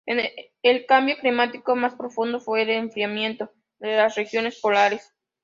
El cambio climático más profundo fue el enfriamiento de las regiones polares.